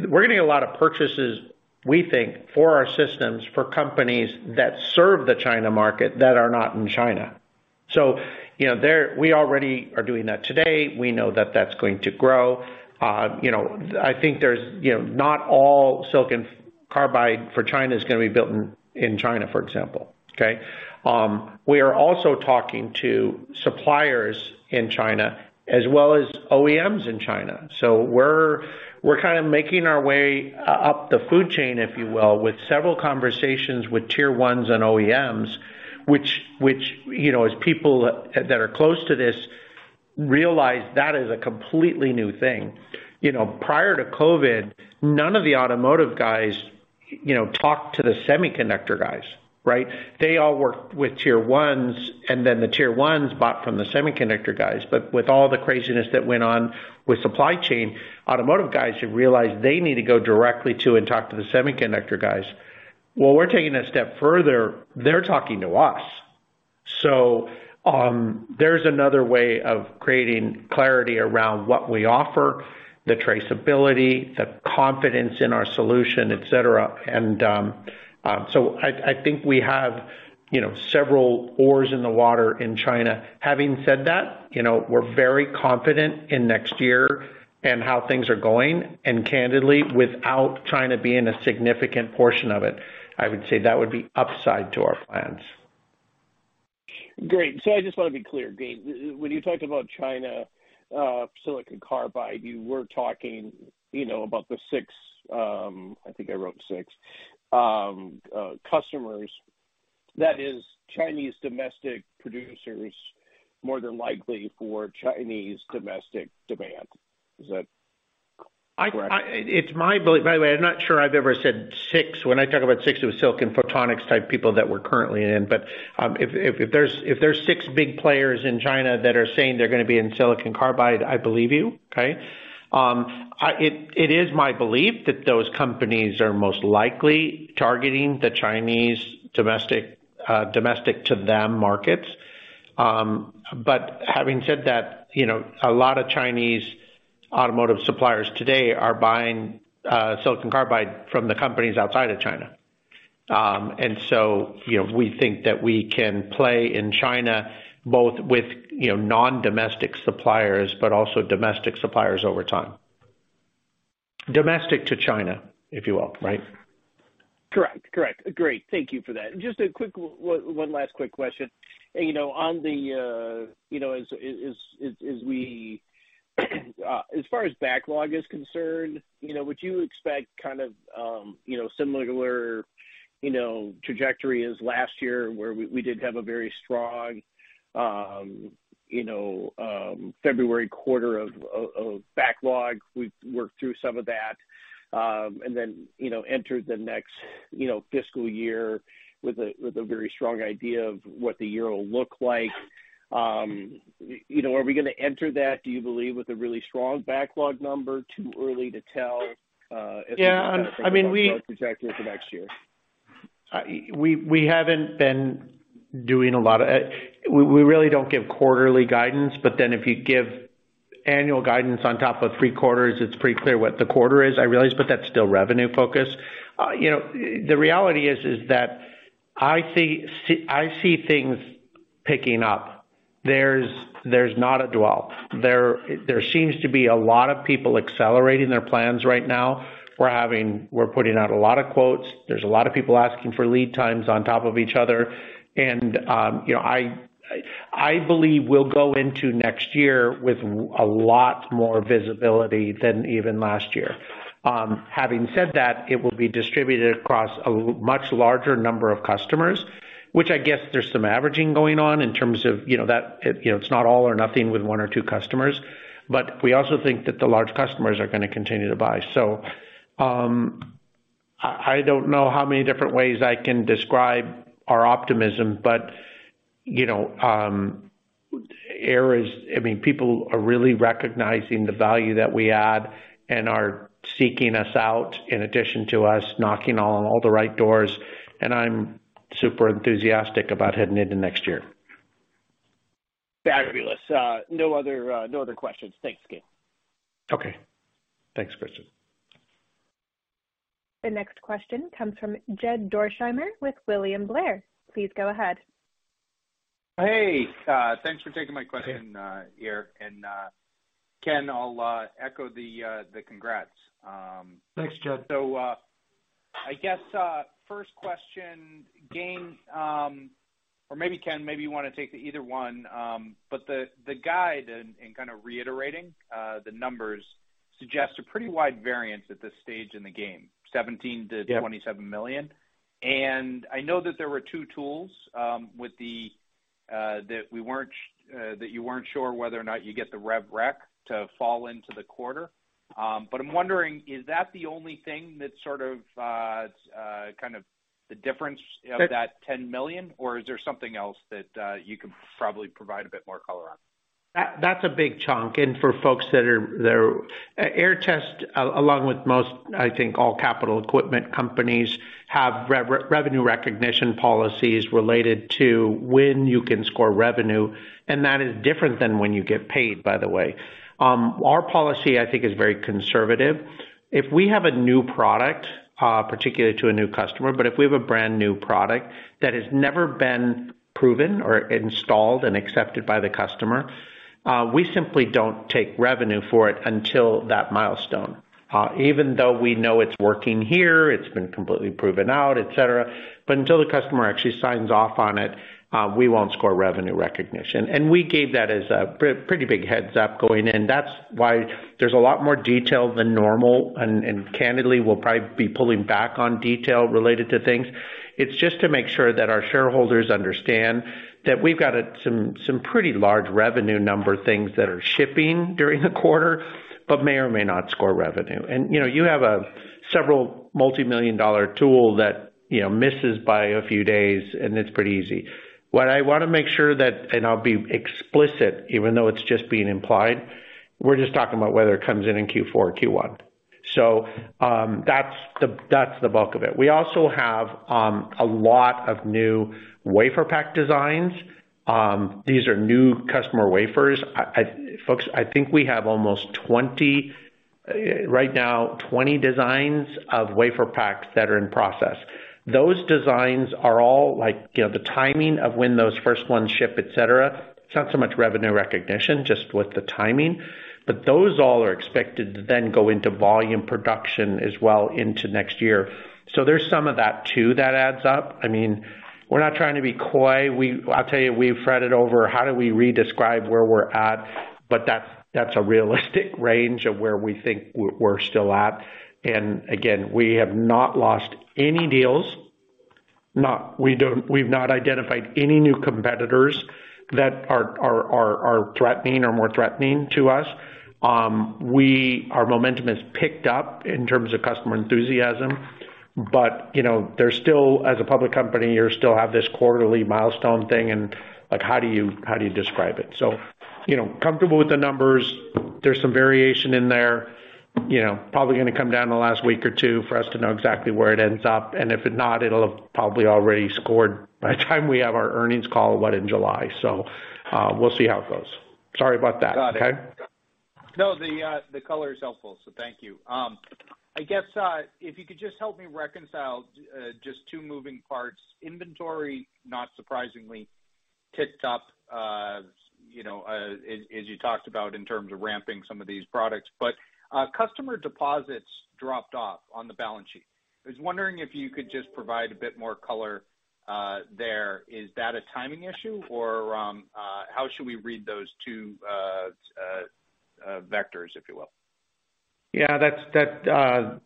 we're getting a lot of purchases, we think, for our systems, for companies that serve the China market that are not in China. You know, there. We already are doing that today. We know that that's going to grow. You know, I think there's, you know, not all silicon carbide for China is gonna be built in China, for example. Okay? We are also talking to suppliers in China as well as OEMs in China. We're kind of making our way up the food chain, if you will, with several conversations with tier ones and OEMs, which, you know, as people that are close to this realize that is a completely new thing. You know, prior to COVID, none of the automotive guys, you know, talked to the semiconductor guys, right? They all worked with tier ones, the tier ones bought from the semiconductor guys. With all the craziness that went on with supply chain, automotive guys have realized they need to go directly to and talk to the semiconductor guys. Well, we're taking that step further. They're talking to us. There's another way of creating clarity around what we offer, the traceability, the confidence in our solution, et cetera. I think we have, you know, several oars in the water in China. Having said that, you know, we're very confident in next year and how things are going, and candidly, without China being a significant portion of it, I would say that would be upside to our plans. Great. I just want to be clear, Gayn. When you talked about China, silicon carbide, you were talking, you know, about the six customers, that is Chinese domestic producers more than likely for Chinese domestic demand. Is that correct? By the way, I'm not sure I've ever said six. When I talk about six, it was silicon photonics type people that we're currently in. If there's six big players in China that are saying they're gonna be in silicon carbide, I believe you, okay? It is my belief that those companies are most likely targeting the Chinese domestic to them markets. Having said that, you know, a lot of Chinese automotive suppliers today are buying silicon carbide from the companies outside of China. We think that we can play in China both with, you know, non-domestic suppliers, but also domestic suppliers over time. Domestic to China, if you will, right? Correct. Correct. Great. Thank you for that. Just a quick one last quick question. You know, on the, you know, as we as far as backlog is concerned, you know, would you expect kind of, you know, similar, you know, trajectory as last year, where we did have a very strong, you know, February quarter of backlog? We've worked through some of that, you know, entered the next, you know, fiscal year with a very strong idea of what the year will look like. You know, are we gonna enter that, do you believe, with a really strong backlog number? Too early to tell. Yeah. I mean. as we look at our backlog trajectory for next year. We haven't been doing a lot of. We really don't give quarterly guidance. If you give annual guidance on top of three quarters, it's pretty clear what the quarter is, I realize, but that's still revenue focus. You know, the reality is that I see things picking up. There's not a dwell. There seems to be a lot of people accelerating their plans right now. We're putting out a lot of quotes. There's a lot of people asking for lead times on top of each other. You know, I believe we'll go into next year with a lot more visibility than even last year. Having said that, it will be distributed across a much larger number of customers, which I guess there's some averaging going on in terms of, you know, it's not all or nothing with one or two customers. We also think that the large customers are gonna continue to buy. I don't know how many different ways I can describe our optimism, but, you know, I mean, people are really recognizing the value that we add and are seeking us out in addition to us knocking on all the right doors, and I'm super enthusiastic about heading into next year. Fabulous. No other, no other questions. Thanks, Gayn. Okay. Thanks, Christian. The next question comes from Jed Dorsheimer with William Blair. Please go ahead. Hey. Thanks for taking my question, here. Ken, I'll echo the congrats. Thanks, Jed. I guess, first question, Gayn, or maybe Ken, maybe you wanna take either one. But the guide and kinda reiterating, the numbers suggests a pretty wide variance at this stage in the game, $17 million to- Yeah. $27 million. I know that there were two tools, with the, that we weren't, that you weren't sure whether or not you'd get the rev rec to fall into the quarter. I'm wondering, is that the only thing that sort of, kind of the difference of that $10 million, or is there something else that, you can probably provide a bit more color on? That's a big chunk. For folks that are Aehr Test, along with most, I think, all capital equipment companies, have revenue recognition policies related to when you can score revenue, and that is different than when you get paid, by the way. Our policy, I think, is very conservative. If we have a new product, particularly to a new customer, but if we have a brand-new product that has never been proven or installed and accepted by the customer, we simply don't take revenue for it until that milestone. Even though we know it's working here, it's been completely proven out, et cetera. Until the customer actually signs off on it, we won't score revenue recognition. We gave that as a pretty big heads-up going in. That's why there's a lot more detail than normal. Candidly, we'll probably be pulling back on detail related to things. It's just to make sure that our shareholders understand that we've got some pretty large revenue number things that are shipping during the quarter but may or may not score revenue. You know, you have a several multimillion-dollar tool that, you know, misses by a few days, and it's pretty easy. What I wanna make sure that, and I'll be explicit, even though it's just being implied, we're just talking about whether it comes in in Q4 or Q1. That's the bulk of it. We also have a lot of new WaferPak designs. These are new customer wafers. Folks, I think we have almost 20 right now, 20 designs of WaferPaks that are in process. Those designs are all like, you know, the timing of when those first ones ship, et cetera. It's not so much revenue recognition, just with the timing. Those all are expected to then go into volume production as well into next year. There's some of that too that adds up. I mean, we're not trying to be coy. I'll tell you, we've fretted over how do we redescribe where we're at, but that's a realistic range of where we think we're still at. Again, we have not lost any deals. We've not identified any new competitors that are threatening or more threatening to us. Our momentum has picked up in terms of customer enthusiasm, but, you know, there's still, as a public company, you still have this quarterly milestone thing and, like, how do you describe it? You know, comfortable with the numbers. There's some variation in there, you know, probably gonna come down in the last week or two for us to know exactly where it ends up. If not, it'll have probably already scored by the time we have our earnings call, what, in July. We'll see how it goes. Sorry about that. Got it. Okay. No, the color is helpful, so thank you. I guess, if you could just help me reconcile just two moving parts. Inventory, not surprisingly, ticked up, you know, as you talked about in terms of ramping some of these products. Customer deposits dropped off on the balance sheet. I was wondering if you could just provide a bit more color there. Is that a timing issue or how should we read those two vectors, if you will? Yeah, that's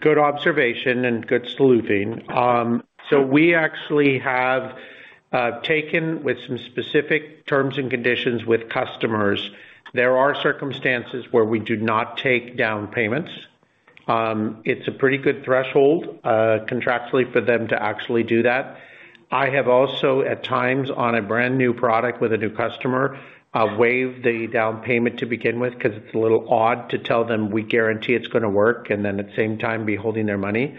good observation and good sleuthing. We actually have taken with some specific terms and conditions with customers. There are circumstances where we do not take down payments. It's a pretty good threshold contractually for them to actually do that. I have also, at times, on a brand-new product with a new customer, waived the down payment to begin with because it's a little odd to tell them we guarantee it's gonna work and then at the same time be holding their money.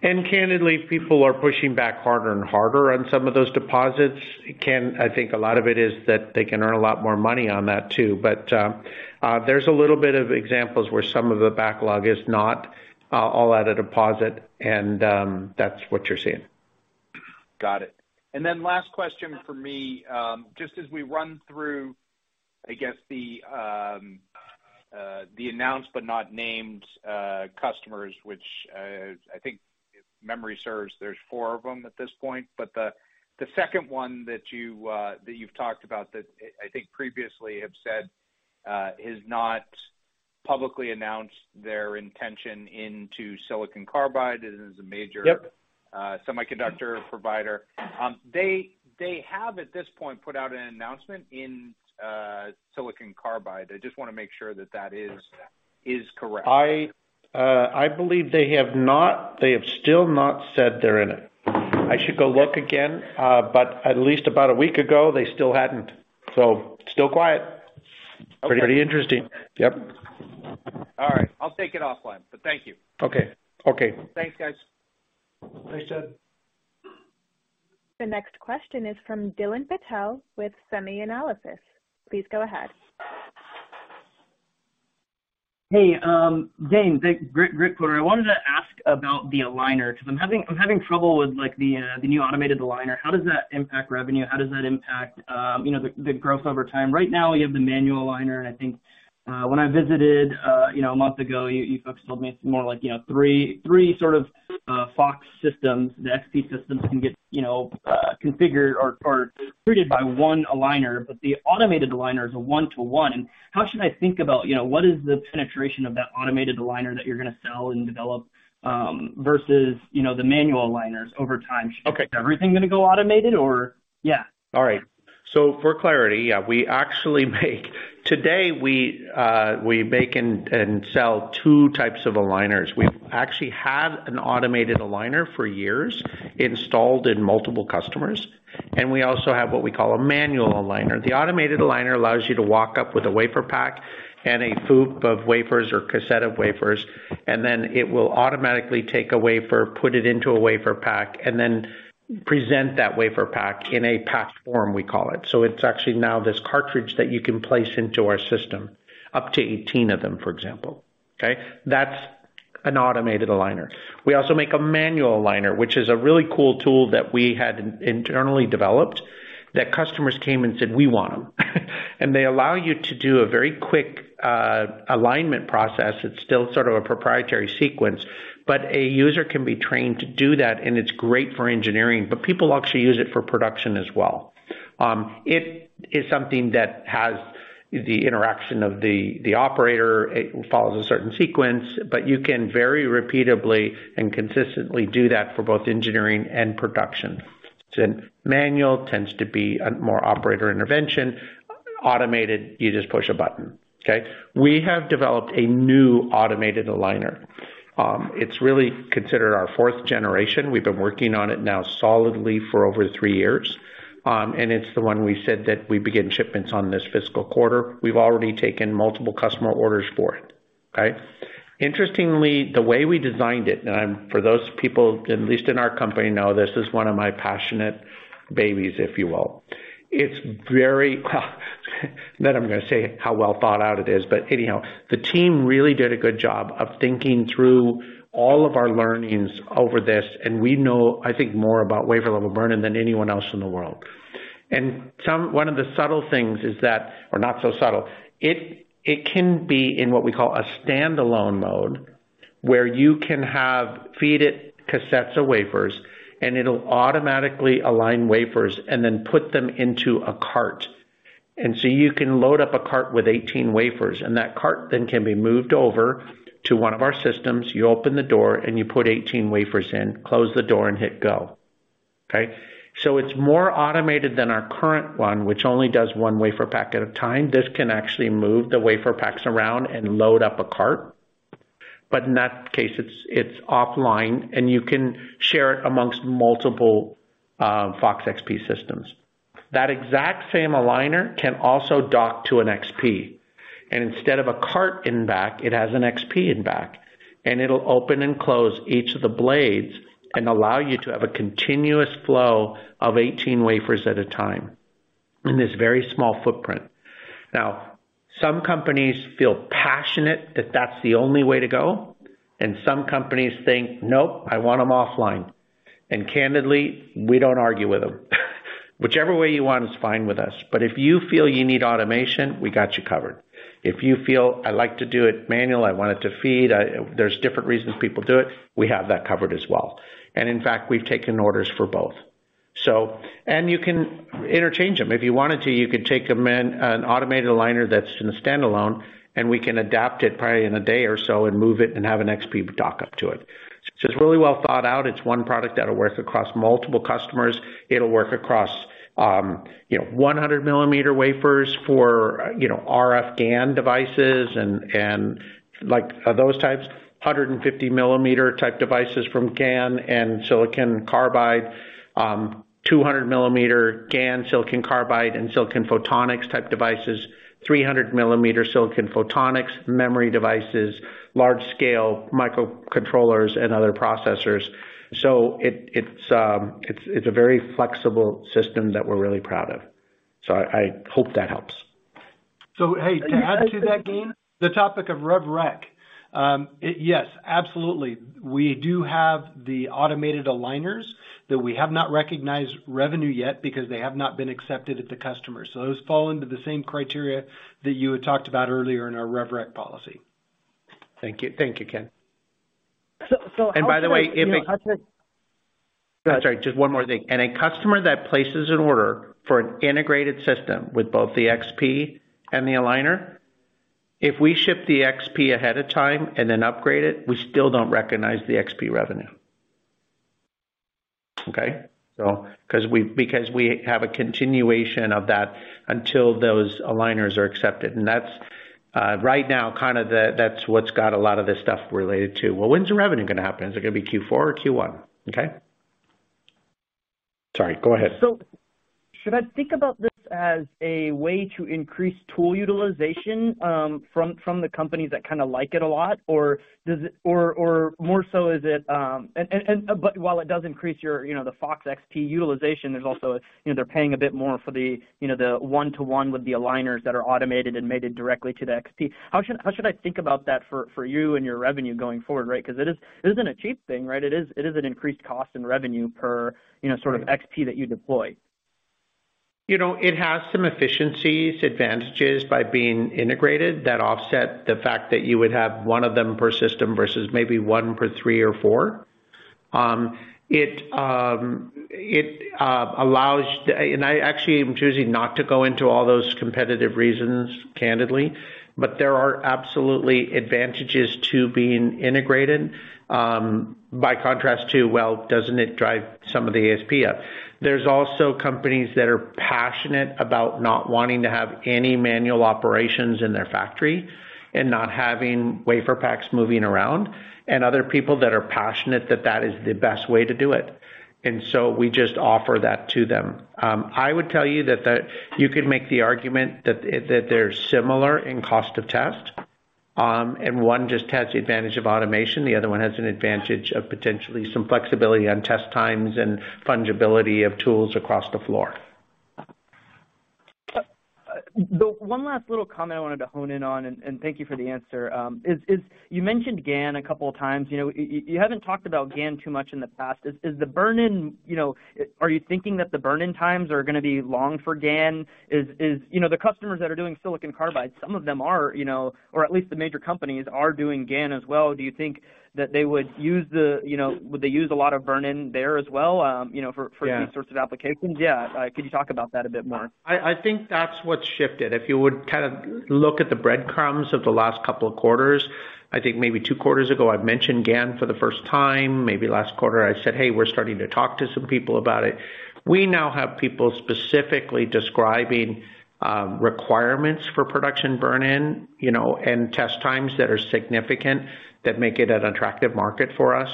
Candidly, people are pushing back harder and harder on some of those deposits. I think a lot of it is that they can earn a lot more money on that too. There's a little bit of examples where some of the backlog is not all at a deposit, and that's what you're seeing. Got it. Last question for me. Just as we run through, I guess, the announced but not named customers, which, I think if memory serves, there's four of them at this point. The second one that you've talked about that I think previously have said, has not publicly announced their intention into silicon carbide. It is a major- Yep. semiconductor provider. They have, at this point, put out an announcement in silicon carbide. I just wanna make sure that that is correct. I believe they have still not said they're in it. I should go look again. At least about a week ago, they still hadn't. Still quiet. Okay. Pretty interesting. Yep. All right. I'll take it offline, but thank you. Okay. Okay. Thanks, guys. Thanks, Jed. The next question is from Dylan Patel with SemiAnalysis. Please go ahead. Hey, Gayn, great quarter. I wanted to ask about the aligner because I'm having trouble with, like, the new automated aligner. How does that impact revenue? How does that impact, you know, the growth over time? Right now, we have the manual aligner. I think, when I visited, you know, a month ago, you folks told me it's more like, you know, three sort of FOX systems. The FOX-XP systems can get, you know, configured or created by one aligner, but the automated aligner is a one to one. How should I think about, you know, what is the penetration of that automated aligner that you're gonna sell and develop versus, you know, the manual aligners over time? Okay. Is everything gonna go automated or? Yeah. All right. For clarity, yeah, we actually make today, we make and sell two types of aligners. We actually had an automated aligner for years installed in multiple customers. We also have what we call a manual aligner. The automated aligner allows you to walk up with a WaferPak and a FOUP of wafers or cassette of wafers. It will automatically take a wafer, put it into a WaferPak, and present that WaferPak in a packed form, we call it. It's actually now this cartridge that you can place into our system, up to 18 of them, for example. Okay? That's an automated aligner. We also make a manual aligner, which is a really cool tool that we had internally developed that customers came and said, "We want them." They allow you to do a very quick alignment process. It's still sort of a proprietary sequence, but a user can be trained to do that, and it's great for engineering, but people actually use it for production as well. It is something that has the interaction of the operator. It follows a certain sequence, but you can very repeatably and consistently do that for both engineering and production. Manual tends to be a more operator intervention. Automated, you just push a button. Okay? We have developed a new automated aligner. It's really considered our fourth generation. We've been working on it now solidly for over three years. It's the one we said that we begin shipments on this fiscal quarter. We've already taken multiple customer orders for it. Okay? Interestingly, the way we designed it, the team really did a good job of thinking through all of our learnings over this, and we know, I think, more about wafer-level burn-in than anyone else in the world. Some -- one of the subtle things is that, or not so subtle, it can be in what we call a standalone mode, where you can have feed it cassettes of wafers, and it'll automatically align wafers and then put them into a cart. You can load up a cart with 18 wafers, and that cart then can be moved over to one of our systems. You open the door, and you put 18 wafers in, close the door, and hit go. Okay? It's more automated than our current one, which only does 1 WaferPak at a time. This can actually move the WaferPaks around and load up a cart. In that case, it's offline, and you can share it amongst multiple FOX-XP systems. That exact same aligner can also dock to an XP. Instead of a cart in back, it has an XP in back, and it'll open and close each of the blades and allow you to have a continuous flow of 18 wafers at a time in this very small footprint. Some companies feel passionate that that's the only way to go, and some companies think, "Nope, I want them offline." Candidly, we don't argue with them. Whichever way you want is fine with us, but if you feel you need automation, we got you covered. If you feel I like to do it manual, I want it to feed, there's different reasons people do it, we have that covered as well. In fact, we've taken orders for both. You can interchange them. If you wanted to, you could take them in an automated aligner that's in a standalone, we can adapt it probably in a day or so and move it and have an XP dock up to it. It's really well thought out. It's one product that'll work across multiple customers. It'll work across, you know, 100 millimeter wafers for, you know, RF GaN devices and like those types. 150 millimeter type devices from GaN and silicon carbide. 200 millimeter GaN silicon carbide and silicon photonics type devices. 300 millimeter silicon photonics memory devices, large scale microcontrollers and other processors. It's a very flexible system that we're really proud of. I hope that helps. Hey, to add to that, Gayn, the topic of rev rec. Yes, absolutely. We do have the automated aligners that we have not recognized revenue yet because they have not been accepted at the customer. Those fall into the same criteria that you had talked about earlier in our rev rec policy. Thank you. Thank you, Ken. how should I-. by the way, if. Go ahead. Sorry, just one more thing. A customer that places an order for an integrated system with both the XP and the aligner, if we ship the XP ahead of time and then upgrade it, we still don't recognize the XP revenue. Okay? Because we have a continuation of that until those aligners are accepted. That's right now what's got a lot of this stuff related to, "Well, when's the revenue gonna happen? Is it gonna be Q4 or Q1?" Okay? Sorry, go ahead. Should I think about this as a way to increase tool utilization from the companies that kind of like it a lot? Or more so is it... But while it does increase your, you know, the FOX-XP utilization, there's also, you know, they're paying a bit more for the, you know, the one-to-one with the aligners that are automated and mated directly to the FOX-XP. How should I think about that for you and your revenue going forward, right? 'Cause it is, it isn't a cheap thing, right? It is an increased cost in revenue per, you know, sort of FOX-XP that you deploy. You know, it has some efficiencies, advantages by being integrated that offset the fact that you would have one of them per system versus maybe one per three or four. It allows. I actually am choosing not to go into all those competitive reasons, candidly. There are absolutely advantages to being integrated, by contrast to, well, doesn't it drive some of the ASP up? There's also companies that are passionate about not wanting to have any manual operations in their factory and not having WaferPaks moving around, and other people that are passionate that that is the best way to do it. We just offer that to them. I would tell you that the... You could make the argument that they're similar in cost of test, and one just has the advantage of automation, the other one has an advantage of potentially some flexibility on test times and fungibility of tools across the floor. One last little comment I wanted to hone in on, and thank you for the answer. Is you mentioned GaN a couple of times. You know, you haven't talked about GaN too much in the past. Is the burn-in, you know, are you thinking that the burn-in times are gonna be long for GaN? Is, you know, the customers that are doing silicon carbide, some of them are, you know, or at least the major companies are doing GaN as well. Do you think that they would use the, you know, would they use a lot of burn-in there as well, you know? Yeah. for these sorts of applications? Yeah. Can you talk about that a bit more? I think that's what's shifted. If you would kind of look at the breadcrumbs of the last couple of quarters, I think maybe two quarters ago, I've mentioned GaN for the first time. Maybe last quarter, I said, "Hey, we're starting to talk to some people about it." We now have people specifically describing requirements for production burn-in, you know, and test times that are significant that make it an attractive market for us.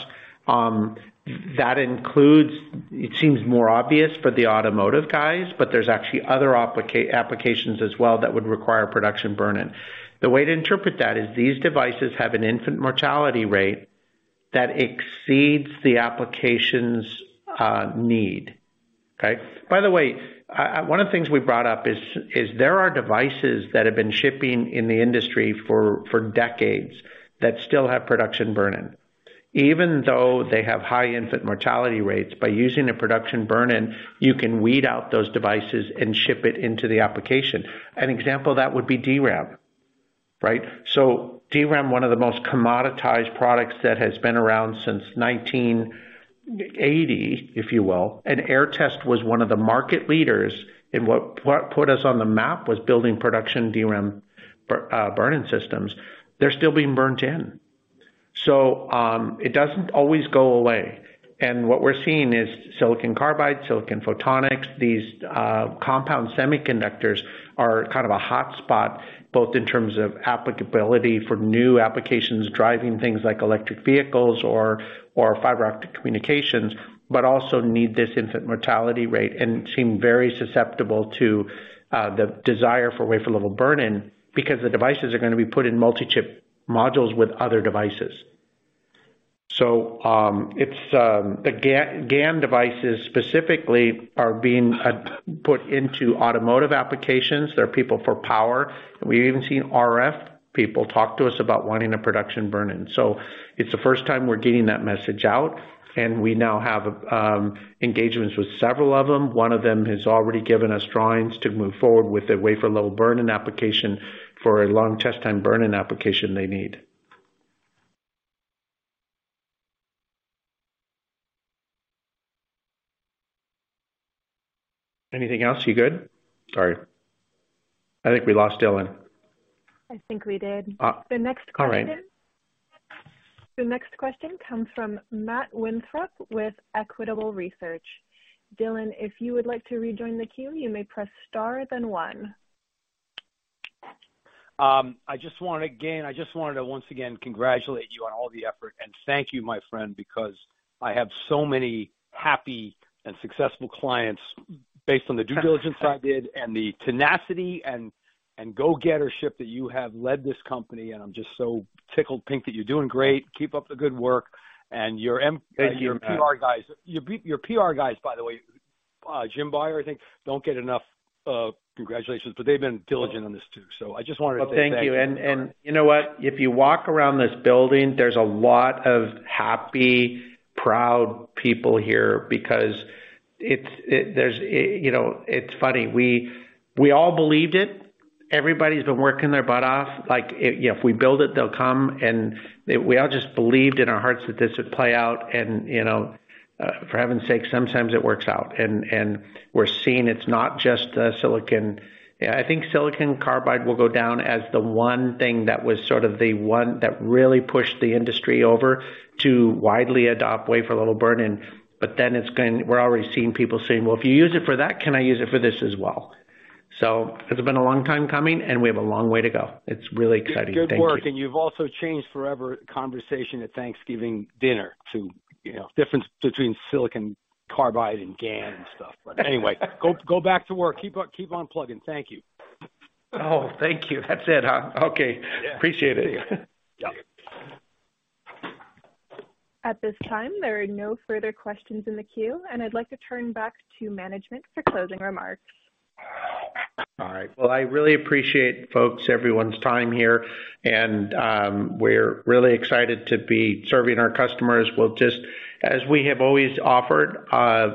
That includes, it seems more obvious for the automotive guys, but there's actually other applications as well that would require production burn-in. The way to interpret that is these devices have an infant mortality rate that exceeds the application's need. Okay? By the way, one of the things we brought up is there are devices that have been shipping in the industry for decades that still have production burn-in. Even though they have high infant mortality rates, by using a production burn-in, you can weed out those devices and ship it into the application. An example of that would be DRAM. Right? DRAM, one of the most commoditized products that has been around since 1980, if you will, and Aehr Test was one of the market leaders in what put us on the map was building production DRAM burn-in systems. They're still being burnt in. It doesn't always go away. What we're seeing is silicon carbide, silicon photonics, these compound semiconductors are kind of a hotspot, both in terms of applicability for new applications, driving things like electric vehicles or fiber optic communications, but also need this infant mortality rate and seem very susceptible to the desire for wafer-level burn-in because the devices are gonna be put in multi-chip modules with other devices. It's the GaN devices specifically are being put into automotive applications. There are people for power. We've even seen RF people talk to us about wanting a production burn-in. It's the first time we're getting that message out and we now have engagements with several of them. One of them has already given us drawings to move forward with a wafer-level burn-in application for a long test time burn-in application they need. Anything else? You good? Sorry, I think we lost Dylan. I think we did. All right. The next question comes from Matt Winthrop with Equitable Research. Dylan, if you would like to rejoin the queue, you may press star then one. I just wanted to once again congratulate you on all the effort. Thank you, my friend, because I have so many happy and successful clients based on the due diligence I did and the tenacity and go-gettership that you have led this company. I'm just so tickled pink that you're doing great. Keep up the good work. Your m-. Thank you, Matt. Your PR guys, by the way, Jim Byers, I think, don't get enough congratulations, but they've been diligent on this too. I just wanted to say thank you. Well, thank you. You know what? If you walk around this building, there's a lot of happy, proud people here because it's, there's, it, you know, it's funny, we all believed it. Everybody's been working their butt off. Like, if, you know, if we build it, they'll come. We all just believed in our hearts that this would play out. You know, for heaven's sake, sometimes it works out. We're seeing it's not just silicon... I think silicon carbide will go down as the one thing that was sort of the one that really pushed the industry over to widely adopt wafer-level burn-in. It's going... We're already seeing people saying, "Well, if you use it for that, can I use it for this as well?" It's been a long time coming, and we have a long way to go. It's really exciting. Thank you. Good work. You've also changed forever conversation at Thanksgiving dinner to, you know, difference between silicon carbide and GaN and stuff. Anyway, go back to work. Keep on plugging. Thank you. Oh, thank you. That's it, huh? Okay. Yeah. Appreciate it. Yeah. At this time, there are no further questions in the queue, and I'd like to turn back to management for closing remarks. All right. Well, I really appreciate, folks, everyone's time here, and we're really excited to be serving our customers. As we have always offered,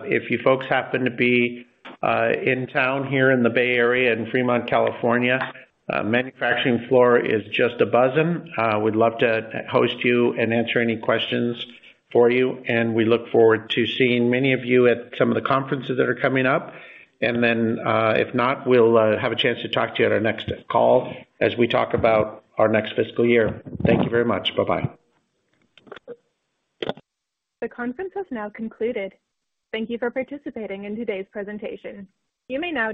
if you folks happen to be in town here in the Bay Area in Fremont, California, manufacturing floor is just a buzzing. We'd love to host you and answer any questions for you, and we look forward to seeing many of you at some of the conferences that are coming up. If not, we'll have a chance to talk to you at our next call as we talk about our next fiscal year. Thank you very much. Bye-bye. The conference has now concluded. Thank you for participating in today's presentation. You may now.